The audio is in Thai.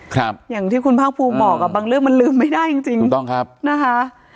ครับอย่างที่คุณภาคภูมิบอกอ่ะบางเรื่องมันลืมไม่ได้จริงจริงถูกต้องครับนะคะ